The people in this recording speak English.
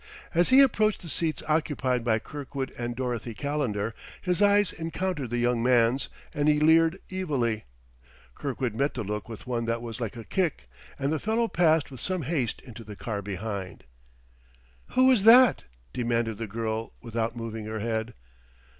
As he approached the seats occupied by Kirkwood and Dorothy Calendar, his eyes encountered the young man's, and he leered evilly. Kirkwood met the look with one that was like a kick, and the fellow passed with some haste into the car behind. "Who was that?" demanded the girl, without moving her head.